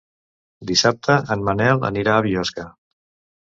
Dissabte en Manel anirà a Biosca.